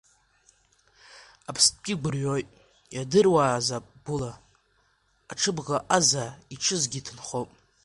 Аԥстәгьы гәырҩоит, иадыруазаап гәыла, аҽыбӷаҟаза иҽызгьы ҭынхоуп.